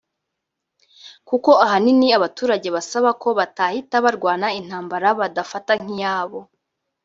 kuko ahanini abaturage basaba ko batahita barwana intambara badafata nk’iyabo